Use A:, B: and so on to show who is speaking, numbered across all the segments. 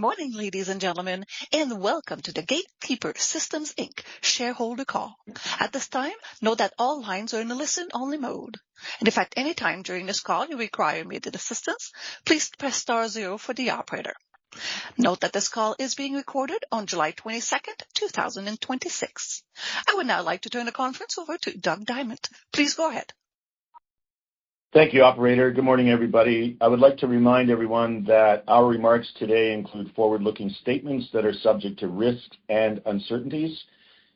A: Good morning, ladies and gentlemen, welcome to the Gatekeeper Systems Inc. shareholder call. At this time, note that all lines are in a listen-only mode. If at any time during this call you require immediate assistance, please press star zero for the operator. Note that this call is being recorded on July 22nd, 2026. I would now like to turn the conference over to Doug Dyment. Please go ahead.
B: Thank you, operator. Good morning, everybody. I would like to remind everyone that our remarks today include forward-looking statements that are subject to risks and uncertainties.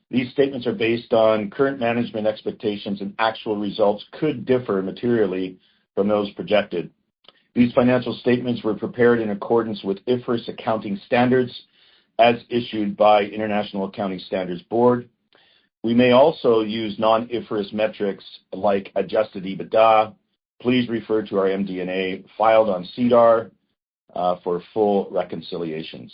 B: These statements are based on current management expectations. Actual results could differ materially from those projected. These financial statements were prepared in accordance with IFRS accounting standards as issued by International Accounting Standards Board. We may also use non-IFRS metrics like adjusted EBITDA. Please refer to our MD&A filed on SEDAR for full reconciliations.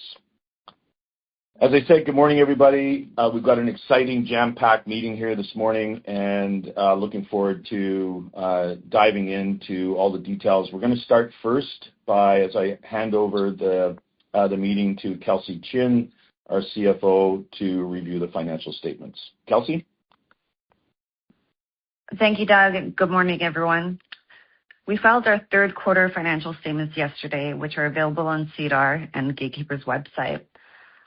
B: As I said, good morning, everybody. We've got an exciting jam-packed meeting here this morning. Looking forward to diving into all the details. We're going to start first by, as I hand over the meeting to Kelsey Chin, our CFO, to review the financial statements. Kelsey?
C: Thank you, Doug. Good morning, everyone. We filed our third quarter financial statements yesterday, which are available on SEDAR and Gatekeeper's website.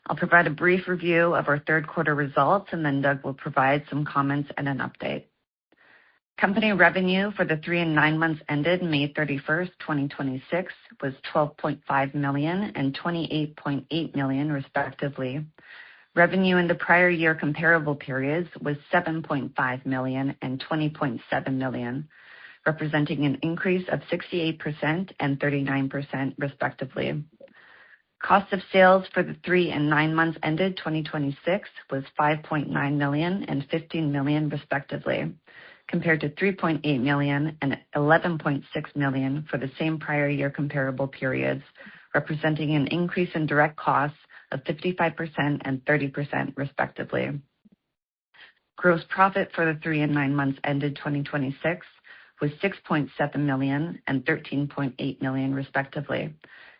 C: I'll provide a brief review of our third quarter results. Then Doug will provide some comments and an update. Company revenue for the three and nine months ended May 31st, 2026, was 12.5 million and 28.8 million, respectively. Revenue in the prior year comparable periods was 7.5 million and 20.7 million, representing an increase of 68% and 39%, respectively. Cost of sales for the three and nine months ended 2026 was 5.9 million and 15 million, respectively, compared to 3.8 million and 11.6 million for the same prior year comparable periods, representing an increase in direct costs of 55% and 30%, respectively. Gross profit for the three and nine months ended 2026 was 6.7 million and 13.8 million, respectively,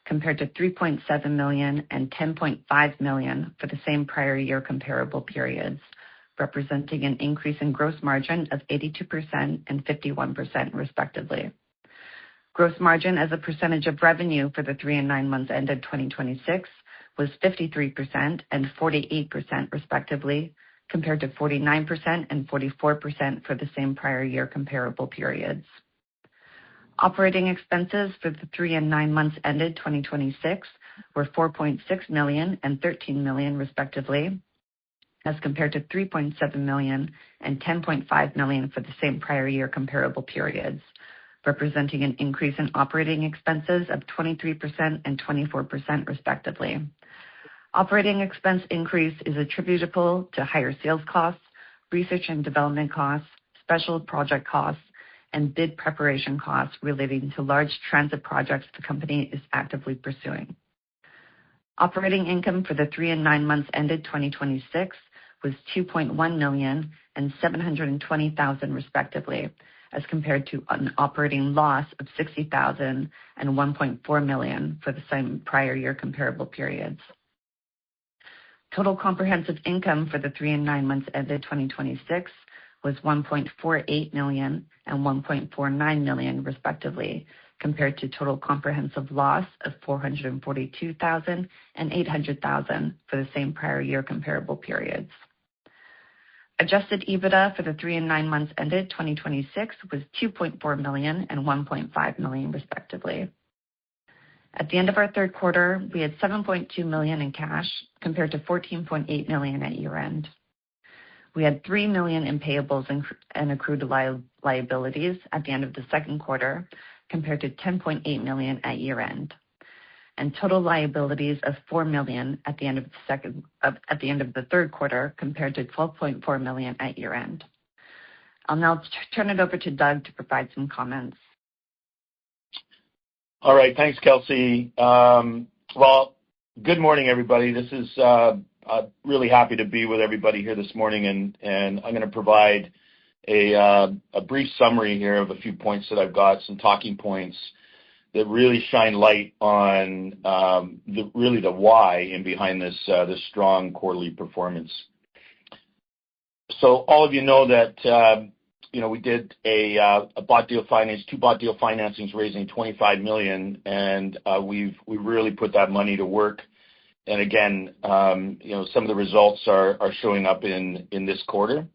C: compared to 3.7 million and 10.5 million for the same prior year comparable periods, representing an increase in gross margin of 82% and 51%, respectively. Gross margin as a percentage of revenue for the three and nine months ended 2026 was 53% and 48%, respectively, compared to 49% and 44% for the same prior year comparable periods. Operating expenses for the three and nine months ended 2026 were 4.6 million and 13 million, respectively, as compared to 3.7 million and 10.5 million for the same prior year comparable periods, representing an increase in operating expenses of 23% and 24%, respectively. Operating expense increase is attributable to higher sales costs, research and development costs, special project costs, and bid preparation costs relating to large transit projects the company is actively pursuing. Operating income for the three and nine months ended 2026 was 2.1 million and 720,000, respectively, as compared to an operating loss of 60,000 and 1.4 million for the same prior year comparable periods. Total comprehensive income for the three and nine months ended 2026 was 1.48 million and 1.49 million, respectively, compared to total comprehensive loss of 442,000 and 800,000 for the same prior year comparable periods. Adjusted EBITDA for the three and nine months ended 2026 was 2.4 million and 1.5 million, respectively. At the end of our third quarter, we had 7.2 million in cash compared to 14.8 million at year-end. We had 3 million in payables and accrued liabilities at the end of the second quarter, compared to 10.8 million at year-end. Total liabilities of 4 million at the end of the third quarter compared to 12.4 million at year-end. I'll now turn it over to Doug to provide some comments.
B: All right. Thanks, Kelsey. Well, good morning, everybody. Really happy to be with everybody here this morning, and I'm going to provide a brief summary here of a few points that I've got, some talking points that really shine light on really the why in behind this strong quarterly performance. All of you know that we did two bought deal financings raising 25 million, and we've really put that money to work. Again, some of the results are showing up in this quarter.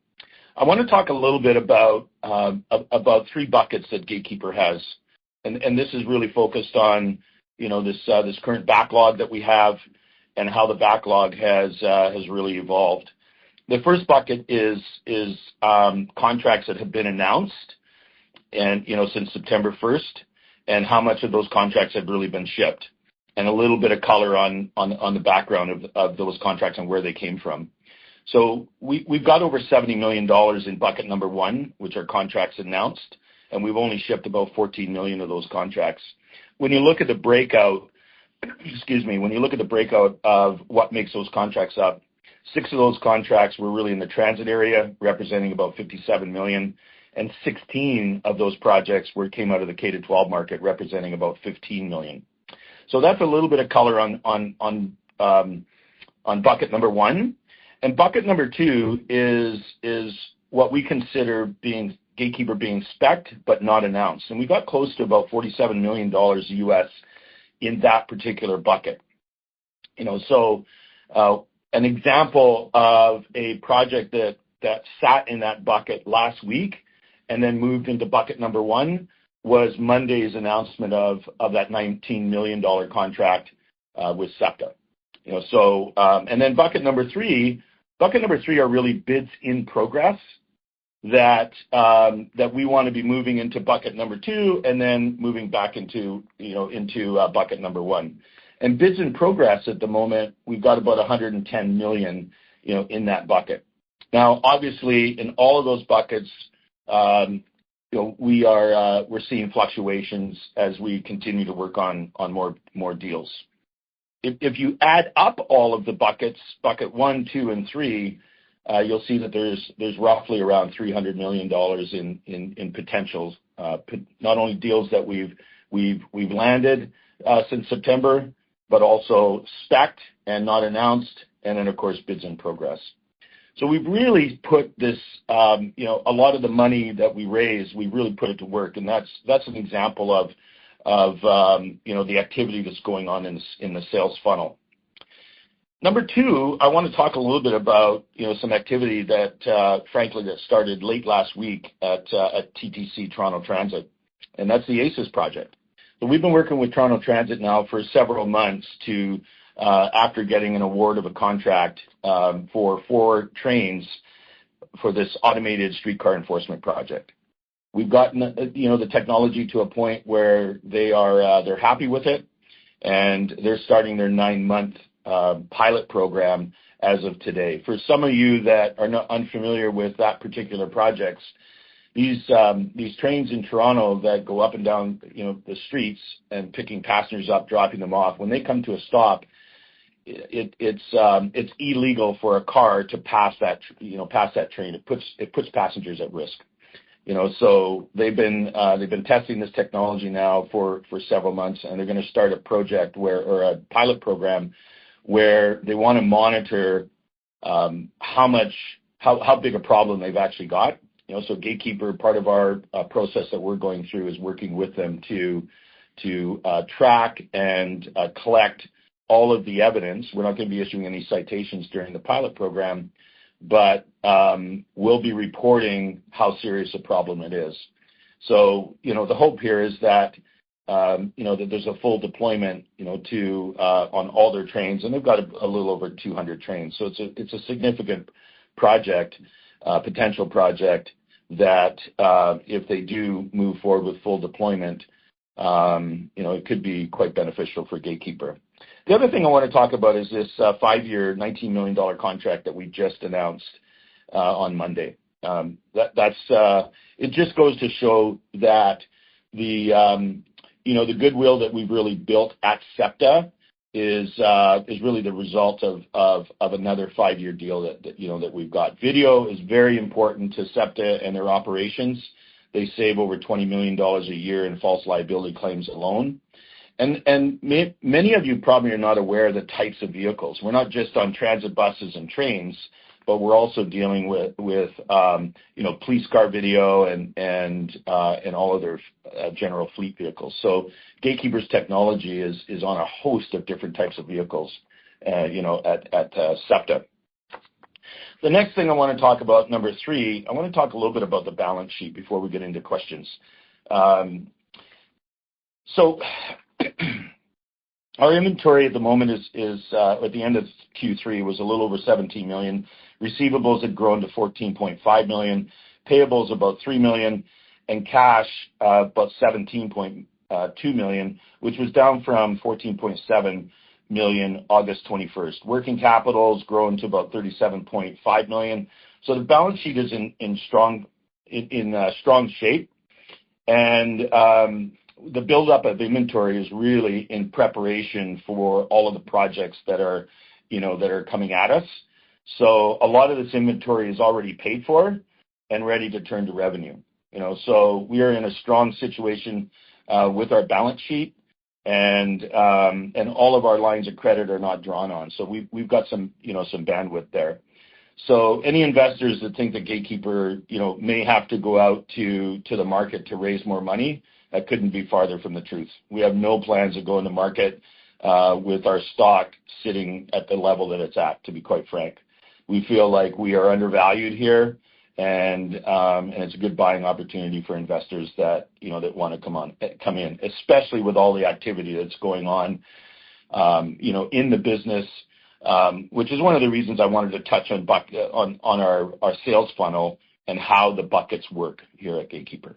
B: I want to talk a little bit about three buckets that Gatekeeper has. This is really focused on this current backlog that we have and how the backlog has really evolved. The first bucket is contracts that have been announced since September 1st and how much of those contracts have really been shipped, and a little bit of color on the background of those contracts and where they came from. We've got over 70 million dollars in bucket number one, which are contracts announced, and we've only shipped about 14 million of those contracts. When you look at the breakout of what makes those contracts up six of those contracts were really in the transit area, representing about 57 million, and 16 of those projects came out of the K to 12 market, representing about 15 million. That's a little bit of color on bucket number one. Bucket number two is what we consider Gatekeeper being spec'd but not announced. We got close to about $47 million U.S. in that particular bucket. An example of a project that sat in that bucket last week and then moved into bucket number 1 was Monday's announcement of that 19 million dollar contract with SEPTA. Bucket number 3 are really bids in progress that we want to be moving into bucket number 2, and then moving back into bucket number 1. Bids in progress at the moment, we've got about 110 million in that bucket. Obviously, in all of those buckets, we're seeing fluctuations as we continue to work on more deals. If you add up all of the buckets, bucket 1, 2 and 3, you'll see that there's roughly around 300 million dollars in potentials. Not only deals that we've landed since September, but also spec'd and not announced, and then, of course, bids in progress. We've really put a lot of the money that we raised, we really put it to work. That's an example of the activity that's going on in the sales funnel. Number 2, I want to talk a little bit about some activity that frankly, that started late last week at TTC Toronto Transit, and that's the ACES project. We've been working with Toronto Transit now for several months to, after getting an award of a contract, for four trains for this automated streetcar enforcement project. We've gotten the technology to a point where they're happy with it, and they're starting their nine-month pilot program as of today. For some of you that are unfamiliar with that particular project, these trains in Toronto that go up and down the streets and picking passengers up, dropping them off, when they come to a stop, it's illegal for a car to pass that train. It puts passengers at risk. They've been testing this technology now for several months, and they're going to start a pilot program where they want to monitor how big a problem they've actually got. Gatekeeper, part of our process that we're going through is working with them to track and collect all of the evidence. We're not going to be issuing any citations during the pilot program, but we'll be reporting how serious a problem it is. The hope here is that there's a full deployment on all their trains. They've got a little over 200 trains, so it's a significant potential project that, if they do move forward with full deployment, it could be quite beneficial for Gatekeeper. The other thing I want to talk about is this five-year, 19 million dollar contract that we just announced on Monday. It just goes to show that the goodwill that we've really built at SEPTA is really the result of another five-year deal that we've got. Video is very important to SEPTA and their operations. They save over 20 million dollars a year in false liability claims alone. Many of you probably are not aware of the types of vehicles. We're not just on transit buses and trains, but we're also dealing with police car video and all other general fleet vehicles. Gatekeeper's technology is on a host of different types of vehicles at SEPTA. The next thing I want to talk about, number three, I want to talk a little bit about the balance sheet before we get into questions. Our inventory at the moment, at the end of Q3, was a little over 17 million. Receivables had grown to 14.5 million, payables about 3 million, and cash about 17.2 million, which was down from 14.7 million August 21st. Working capital has grown to about 37.5 million. The balance sheet is in strong shape. The buildup of inventory is really in preparation for all of the projects that are coming at us. A lot of this inventory is already paid for and ready to turn to revenue. We are in a strong situation with our balance sheet, and all of our lines of credit are not drawn on, so we've got some bandwidth there. Any investors that think that Gatekeeper may have to go out to the market to raise more money, that couldn't be farther from the truth. We have no plans to go in the market with our stock sitting at the level that it's at, to be quite frank. We feel like we are undervalued here, and it's a good buying opportunity for investors that want to come in, especially with all the activity that's going on in the business, which is one of the reasons I wanted to touch on our sales funnel and how the buckets work here at Gatekeeper.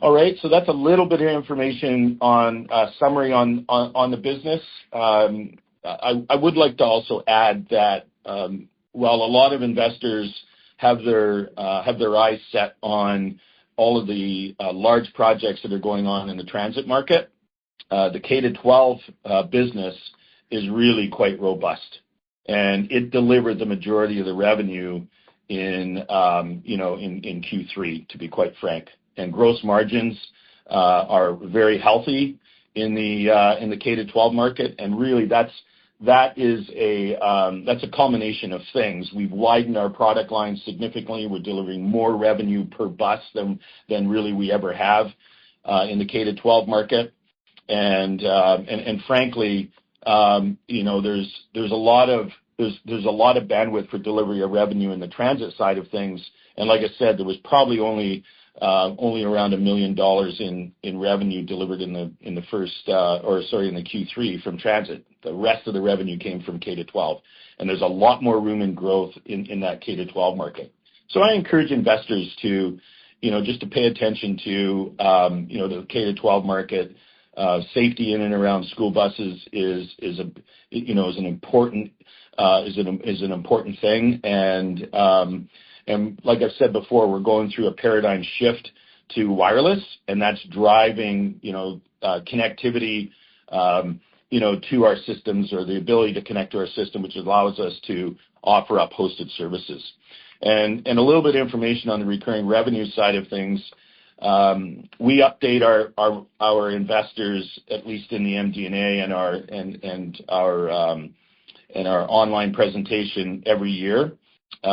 B: All right, that's a little bit of information on summary on the business. I would like to also add that while a lot of investors have their eyes set on all of the large projects that are going on in the transit market, the K to 12 business is really quite robust, and it delivered the majority of the revenue in Q3, to be quite frank. Gross margins are very healthy in the K to 12 market, and really, that's a culmination of things. We've widened our product line significantly. We're delivering more revenue per bus than really we ever have in the K to 12 market. Frankly, there's a lot of bandwidth for delivery of revenue in the transit side of things, and like I said, there was probably only around 1 million dollars in revenue delivered in the Q3 from transit. The rest of the revenue came from K to 12, and there's a lot more room and growth in that K to 12 market. I encourage investors just to pay attention to the K to 12 market. Safety in and around school buses is an important thing, like I've said before, we're going through a paradigm shift to wireless, and that's driving connectivity to our systems or the ability to connect to our system, which allows us to offer up hosted services. A little bit of information on the recurring revenue side of things. We update our investors, at least in the MD&A and our online presentation every year. You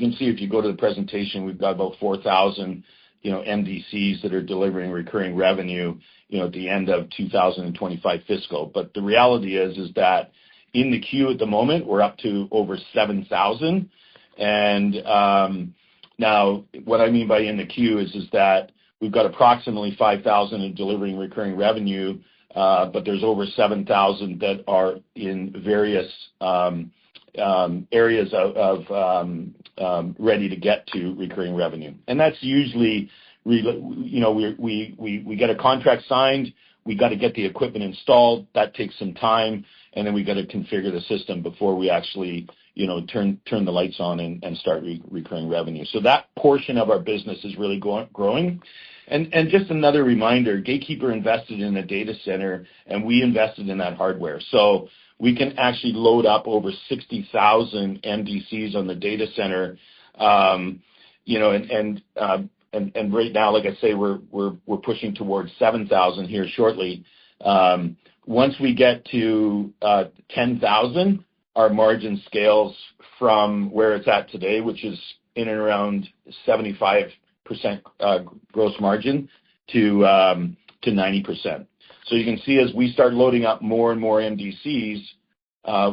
B: can see if you go to the presentation, we've got about 4,000 MDCs that are delivering recurring revenue at the end of 2025 fiscal. The reality is that in the queue at the moment, we're up to over 7,000. Now, what I mean by in the queue is that we've got approximately 5,000 in delivering recurring revenue, but there's over 7,000 that are in various areas of ready to get to recurring revenue. That's usually, we get a contract signed, we got to get the equipment installed, that takes some time, and then we got to configure the system before we actually turn the lights on and start recurring revenue. That portion of our business is really growing. Just another reminder, Gatekeeper invested in a data center, and we invested in that hardware. We can actually load up over 60,000 MDCs on the data center, and right now, like I say, we're pushing towards 7,000 here shortly. Once we get to 10,000, our margin scales from where it's at today, which is in and around 75% gross margin, to 90%. You can see as we start loading up more and more MDCs,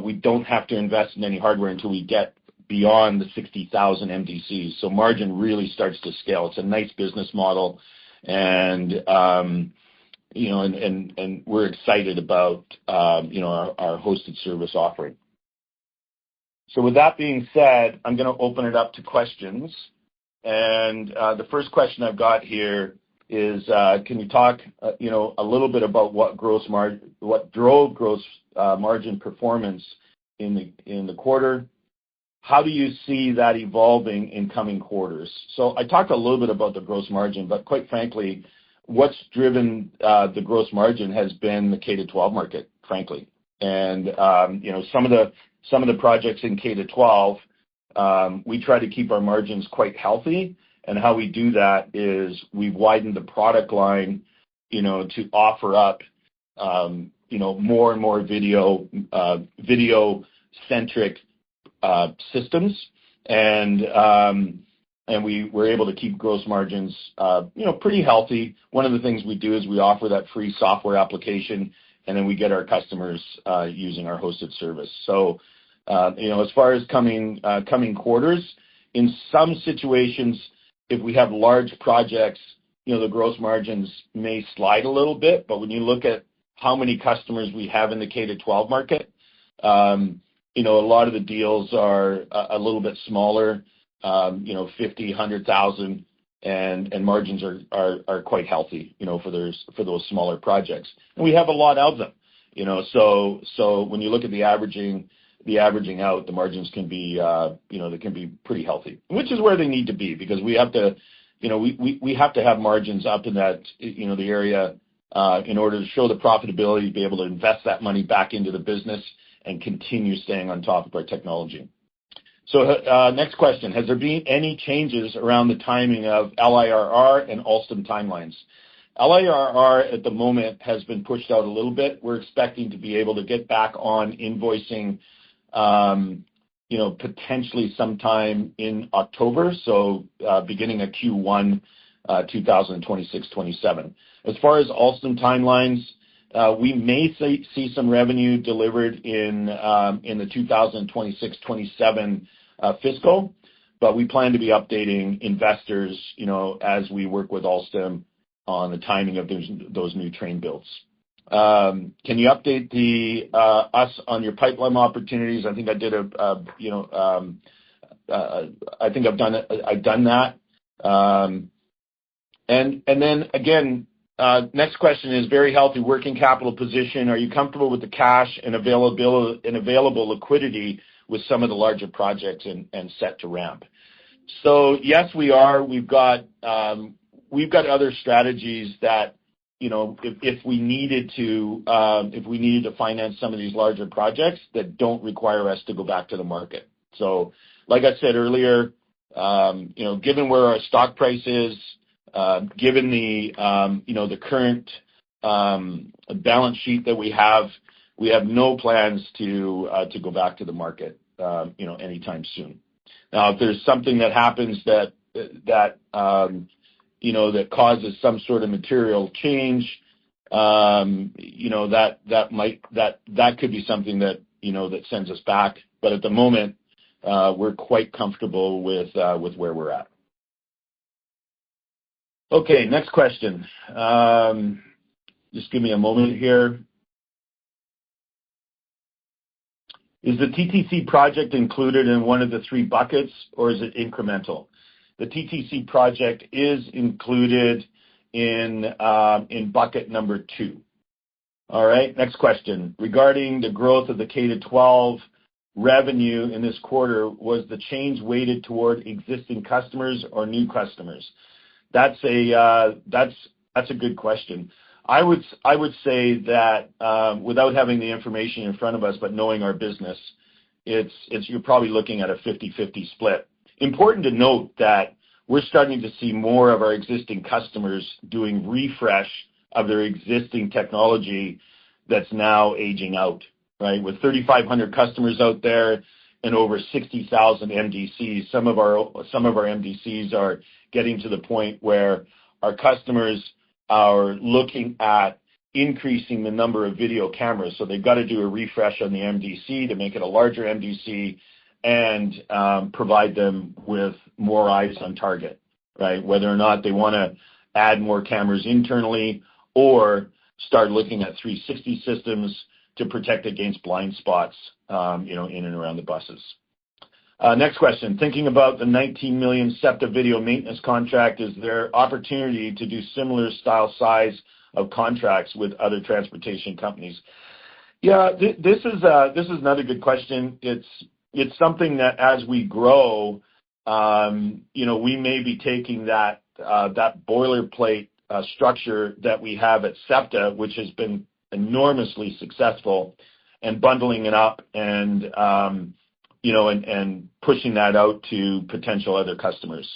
B: we don't have to invest in any hardware until we get beyond the 60,000 MDCs. Margin really starts to scale. It's a nice business model, and we're excited about our hosted service offering. With that being said, I'm going to open it up to questions. The first question I've got here is, can you talk a little bit about what drove gross margin performance in the quarter? How do you see that evolving in coming quarters? I talked a little bit about the gross margin, but quite frankly, what's driven the gross margin has been the K to 12 market, frankly. Some of the projects in K to 12, we try to keep our margins quite healthy, and how we do that is we widen the product line to offer up more and more video-centric systems. We were able to keep gross margins pretty healthy. One of the things we do is we offer that free software application, and then we get our customers using our hosted service. As far as coming quarters, in some situations, if we have large projects, the gross margins may slide a little bit, but when you look at how many customers we have in the K to 12 market, a lot of the deals are a little bit smaller, 50,000, 100,000, and margins are quite healthy for those smaller projects. We have a lot of them. When you look at the averaging out, the margins can be pretty healthy, which is where they need to be, because we have to have margins up in the area in order to show the profitability, to be able to invest that money back into the business and continue staying on top of our technology. Next question. Has there been any changes around the timing of LIRR and Alstom timelines? LIRR at the moment has been pushed out a little bit. We're expecting to be able to get back on invoicing potentially sometime in October, so beginning of Q1, 2026-27. As far as Alstom timelines, we may see some revenue delivered in the 2026-27 fiscal, but we plan to be updating investors as we work with Alstom on the timing of those new train builds. Can you update us on your pipeline opportunities? I think I've done that. Next question is, very healthy working capital position. Are you comfortable with the cash and available liquidity with some of the larger projects and set to ramp? Yes, we are. We've got other strategies that if we needed to finance some of these larger projects, that don't require us to go back to the market. Like I said earlier, given where our stock price is, given the current balance sheet that we have, we have no plans to go back to the market anytime soon. Now, if there's something that happens that causes some sort of material change, that could be something that sends us back. At the moment, we're quite comfortable with where we're at. Okay, next question. Just give me a moment here. Is the TTC project included in one of the three buckets, or is it incremental?" The TTC project is included in bucket number two. All right, next question: "Regarding the growth of the K to 12 revenue in this quarter, was the change weighted toward existing customers or new customers?" That's a good question. I would say that, without having the information in front of us, but knowing our business, you're probably looking at a 50/50 split. Important to note that we're starting to see more of our existing customers doing refresh of their existing technology that's now aging out, right? With 3,500 customers out there and over 60,000 MDCs, some of our MDCs are getting to the point where our customers are looking at increasing the number of video cameras. They've got to do a refresh on the MDC to make it a larger MDC and provide them with more eyes on target, right? Whether or not they want to add more cameras internally or start looking at 360 systems to protect against blind spots in and around the buses. Next question: "Thinking about the 19 million SEPTA video maintenance contract, is there opportunity to do similar style size of contracts with other transportation companies?" This is another good question. It's something that as we grow, we may be taking that boilerplate structure that we have at SEPTA, which has been enormously successful, and bundling it up and pushing that out to potential other customers.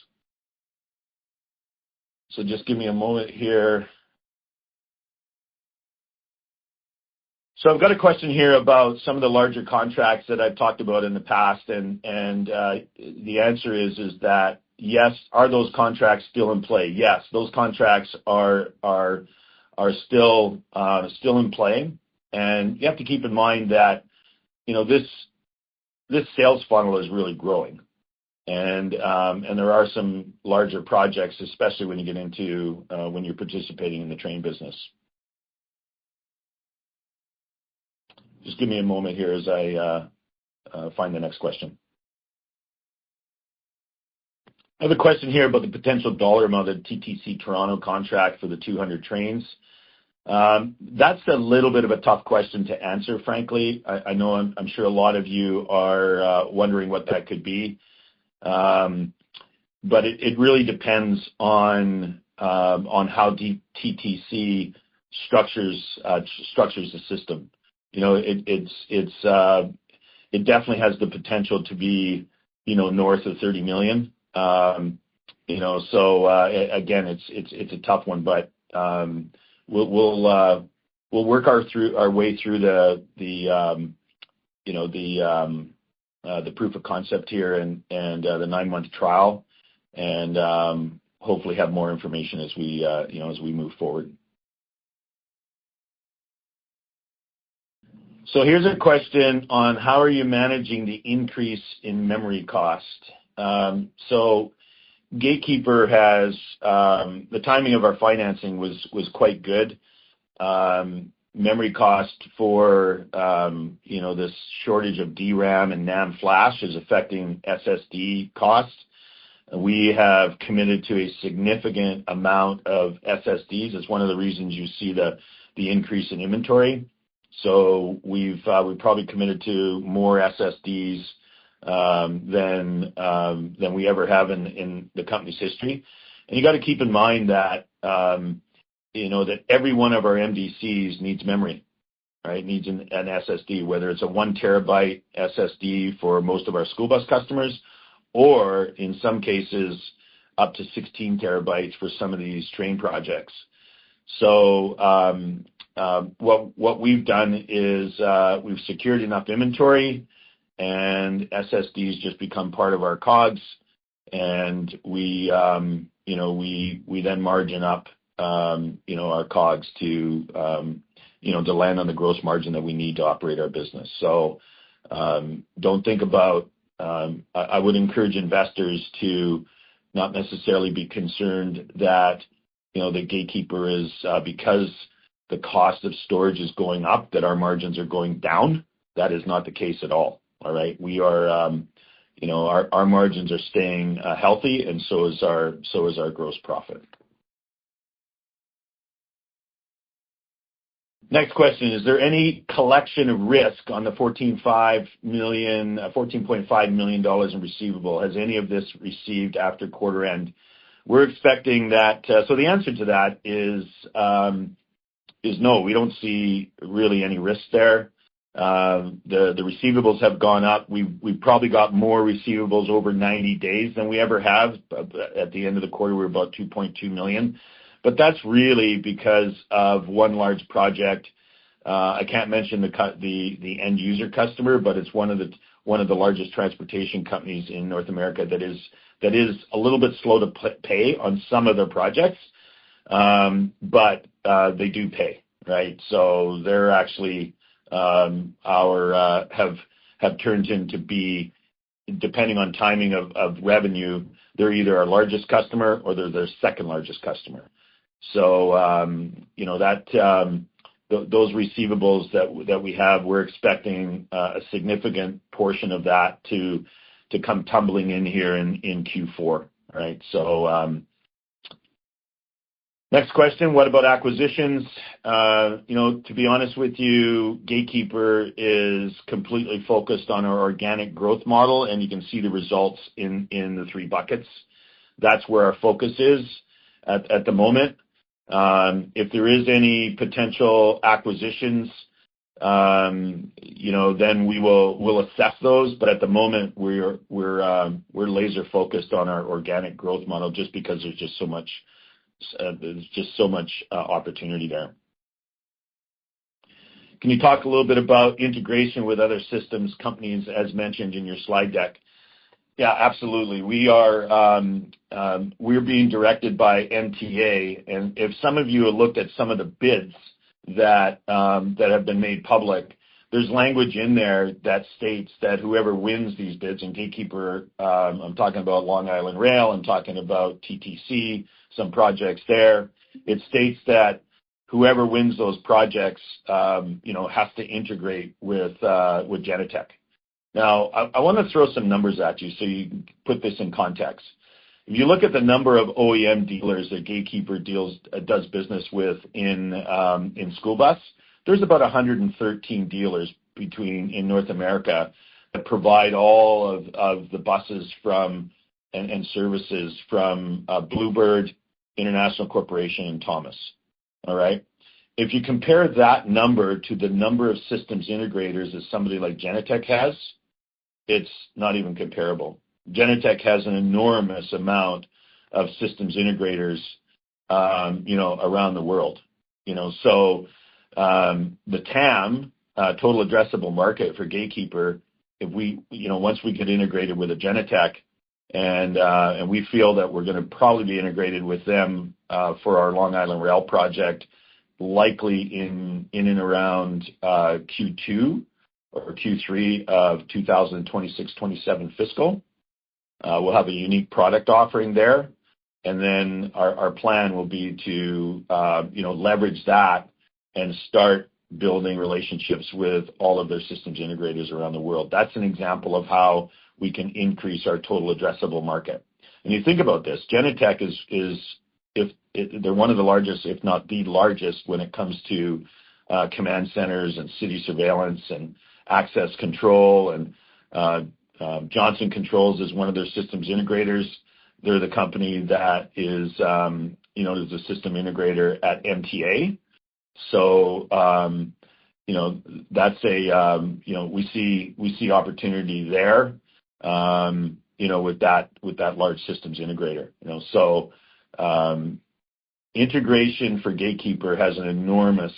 B: Just give me a moment here. I've got a question here about some of the larger contracts that I've talked about in the past, and the answer is that, yes, are those contracts still in play? Yes, those contracts are still in play. You have to keep in mind that this sales funnel is really growing. There are some larger projects, especially when you're participating in the train business. Just give me a moment here as I find the next question. I have a question here about the potential dollar amount of TTC Toronto contract for the 200 trains. That's a little bit of a tough question to answer, frankly. I'm sure a lot of you are wondering what that could be. It really depends on how TTC structures the system. It definitely has the potential to be north of 30 million. Again, it's a tough one, we'll work our way through the proof of concept here and the nine-month trial and hopefully have more information as we move forward. Here's a question on how are you managing the increase in memory cost. Gatekeeper has the timing of our financing was quite good. Memory cost for this shortage of DRAM and NAND flash is affecting SSD costs. We have committed to a significant amount of SSDs. That's one of the reasons you see the increase in inventory. We've probably committed to more SSDs than we ever have in the company's history. You got to keep in mind that every one of our MDCs needs memory. Needs an SSD, whether it's a 1 terabyte SSD for most of our school bus customers, or in some cases, up to 16 terabytes for some of these train projects. What we've done is we've secured enough inventory, SSDs just become part of our COGS, we then margin up our COGS to land on the gross margin that we need to operate our business. I would encourage investors to not necessarily be concerned that Gatekeeper is because the cost of storage is going up, that our margins are going down. That is not the case at all. All right. Our margins are staying healthy and so is our gross profit. Next question: is there any collection of risk on the 14.5 million dollars in receivable? Has any of this received after quarter end? The answer to that is no. We don't see really any risk there. The receivables have gone up. We've probably got more receivables over 90 days than we ever have. At the end of the quarter, we're about 2.2 million, that's really because of one large project. I can't mention the end user customer, it's one of the largest transportation companies in North America that is a little bit slow to pay on some of their projects. They do pay. They actually have turned in to be, depending on timing of revenue, they're either our largest customer or they're the second largest customer. Those receivables that we have, we're expecting a significant portion of that to come tumbling in here in Q4. Next question: what about acquisitions? To be honest with you, Gatekeeper is completely focused on our organic growth model, and you can see the results in the three buckets. That's where our focus is at the moment. If there is any potential acquisitions, then we'll assess those. At the moment, we're laser focused on our organic growth model just because there's just so much opportunity there. Can you talk a little bit about integration with other systems companies as mentioned in your slide deck? Absolutely. We are being directed by MTA, if some of you have looked at some of the bids that have been made public, there's language in there that states that whoever wins these bids, Gatekeeper, I'm talking about Long Island Rail, I'm talking about TTC, some projects there. It states that whoever wins those projects, has to integrate with Genetec. I want to throw some numbers at you so you can put this in context. Looking at the number of OEM dealers that Gatekeeper does business with in school bus, there's about 113 dealers in North America that provide all of the buses from, and services from Blue Bird, International Corporation, and Thomas. If you compare that number to the number of systems integrators that somebody like Genetec has, it's not even comparable. Genetec has an enormous amount of systems integrators around the world. The TAM, total addressable market for Gatekeeper, once we get integrated with a Genetec, and we feel that we're going to probably be integrated with them for our Long Island Rail project, likely in and around Q2 or Q3 of 2026, 2027 fiscal. We'll have a unique product offering there, our plan will be to leverage that and start building relationships with all of their systems integrators around the world. That's an example of how we can increase our total addressable market. When you think about this, Genetec is one of the largest, if not the largest when it comes to command centers and city surveillance and access control, Johnson Controls is one of their systems integrators. They're the company that is a system integrator at MTA. We see opportunity there with that large systems integrator. Integration for Gatekeeper has an enormous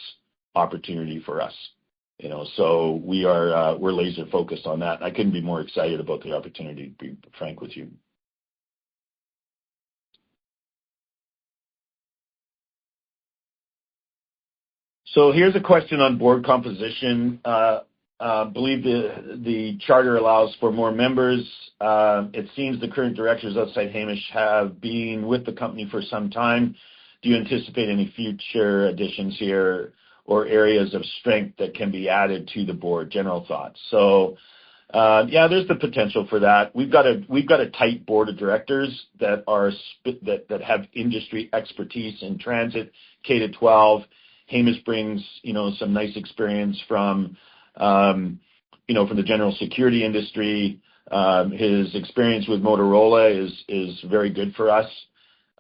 B: opportunity for us. We're laser focused on that, and I couldn't be more excited about the opportunity, to be frank with you. Here's a question on board composition. I believe the charter allows for more members. It seems the current directors outside Hamish have been with the company for some time. Do you anticipate any future additions here or areas of strength that can be added to the board? General thoughts. Yeah, there's the potential for that. We've got a tight board of directors that have industry expertise in transit, K to 12. Hamish brings some nice experience from the general security industry. His experience with Motorola is very good for us.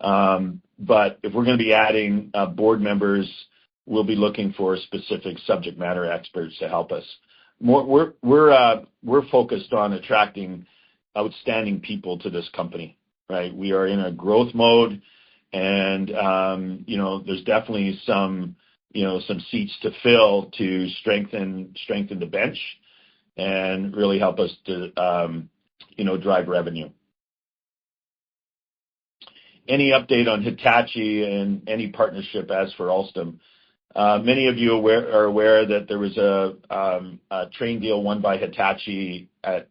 B: If we're going to be adding board members, we'll be looking for specific subject matter experts to help us. We're focused on attracting outstanding people to this company. We are in a growth mode and there's definitely some seats to fill to strengthen the bench and really help us to drive revenue. Any update on Hitachi and any partnership as for Alstom? Many of you are aware that there was a train deal won by Hitachi at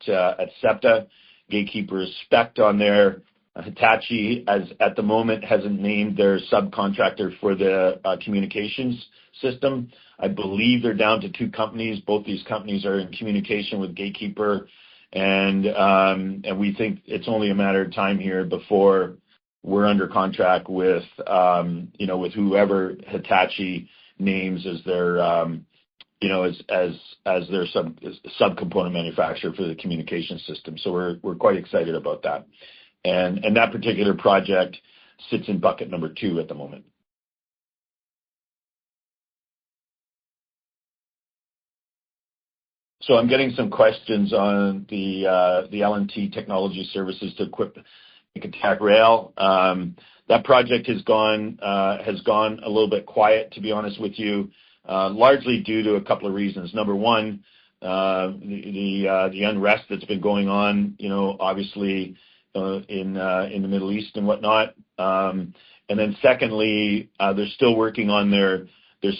B: SEPTA. Gatekeeper is specced on there. Hitachi, as at the moment, hasn't named their subcontractor for the communications system. I believe they're down to two companies. Both these companies are in communication with Gatekeeper, we think it's only a matter of time here before we're under contract with whoever Hitachi names as their subcomponent manufacturer for the communication system. We're quite excited about that. That particular project sits in bucket number 2 at the moment. I'm getting some questions on the L&T Technology Services to equip Etihad Rail. That project has gone a little bit quiet, to be honest with you, largely due to a couple of reasons. Number 1, the unrest that's been going on, obviously, in the Middle East and whatnot. Secondly, they're still working on their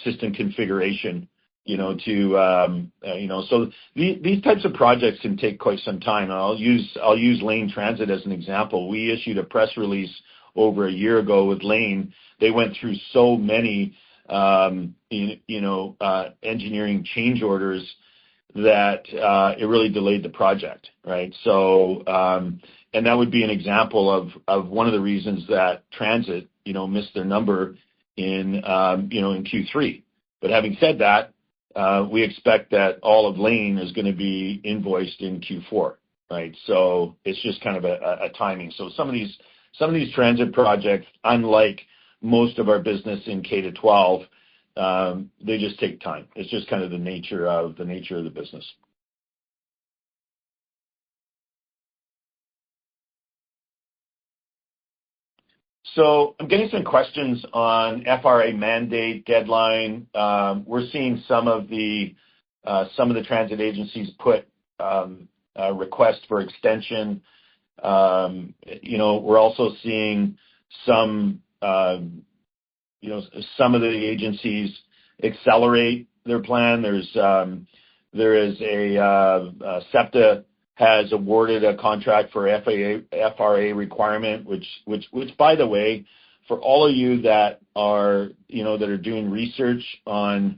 B: system configuration. These types of projects can take quite some time. I'll use Lane Transit as an example. We issued a press release over a year ago with Lane. They went through so many engineering change orders that it really delayed the project. That would be an example of one of the reasons that transit missed their number in Q3. Having said that, we expect that all of Lane is going to be invoiced in Q4. It's just kind of a timing. Some of these transit projects, unlike most of our business in K to 12, they just take time. It's just kind of the nature of the business. I'm getting some questions on FRA mandate deadline. We're seeing some of the transit agencies put a request for extension. We're also seeing some of the agencies accelerate their plan. SEPTA has awarded a contract for FRA requirement, which by the way, for all of you that are doing research on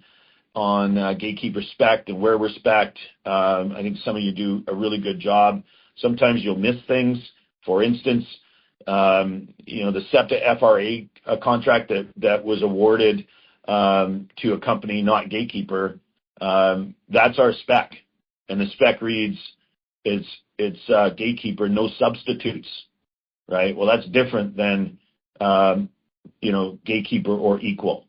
B: Gatekeeper spec and where we spec, I think some of you do a really good job. Sometimes you'll miss things. For instance, the SEPTA FRA contract that was awarded to a company, not Gatekeeper, that's our spec. The spec reads, it's Gatekeeper, no substitutes. That's different than Gatekeeper or equal.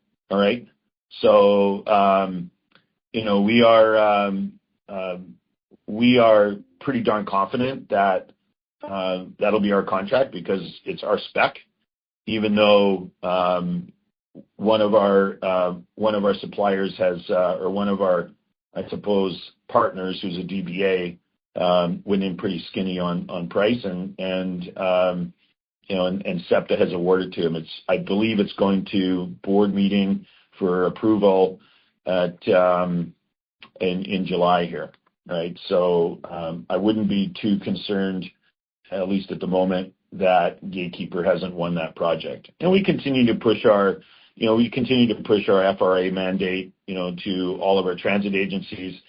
B: We are pretty darn confident that that'll be our contract because it's our spec, even though one of our suppliers has, or one of our, I suppose, partners who's a DBA, went in pretty skinny on price and SEPTA has awarded to him. I believe it's going to board meeting for approval in July here. I wouldn't be too concerned, at least at the moment, that Gatekeeper hasn't won that project. We continue to push our FRA mandate to all of our transit agencies.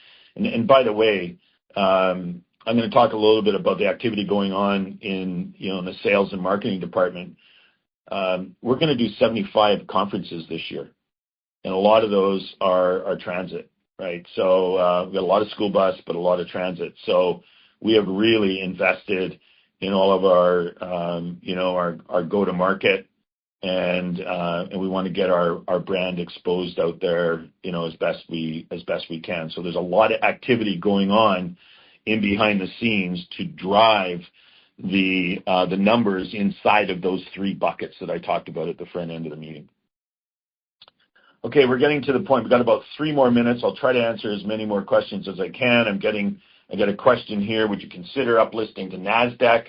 B: By the way, I'm going to talk a little bit about the activity going on in the sales and marketing department. We're going to do 75 conferences this year, a lot of those are transit. We've got a lot of school bus, a lot of transit. We have really invested in all of our go-to-market, we want to get our brand exposed out there as best we can. There's a lot of activity going on in behind the scenes to drive the numbers inside of those three buckets that I talked about at the front end of the meeting. We're getting to the point. We've got about three more minutes. I'll try to answer as many more questions as I can. I got a question here, "Would you consider up-listing to NASDAQ?"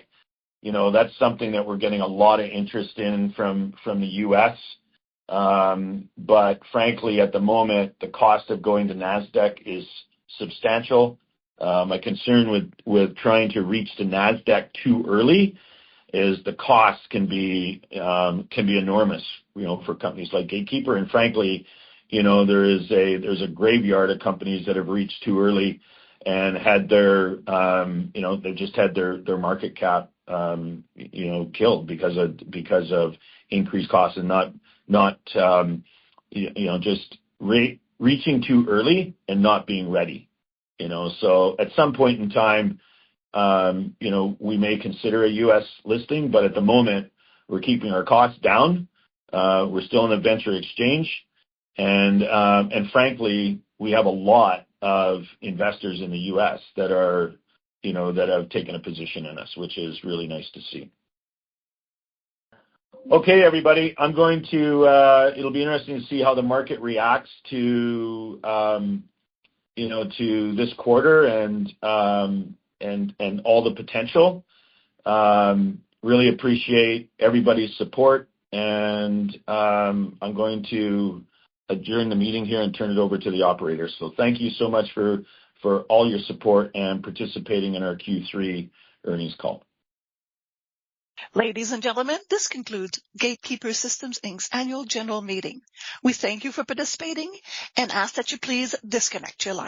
B: That's something that we're getting a lot of interest in from the U.S. Frankly, at the moment, the cost of going to NASDAQ is substantial. My concern with trying to reach to NASDAQ too early is the cost can be enormous for companies like Gatekeeper. Frankly, there's a graveyard of companies that have reached too early and they've just had their market cap killed because of increased costs and just reaching too early and not being ready. At some point in time, we may consider a U.S. listing, at the moment, we're keeping our costs down. We're still in a venture exchange, frankly, we have a lot of investors in the U.S. that have taken a position in us, which is really nice to see. Everybody. It'll be interesting to see how the market reacts to this quarter and all the potential. Really appreciate everybody's support and I'm going to adjourn the meeting here and turn it over to the operator. Thank you so much for all your support and participating in our Q3 earnings call.
A: Ladies and gentlemen, this concludes Gatekeeper Systems Inc.'s annual general meeting. We thank you for participating and ask that you please disconnect your line.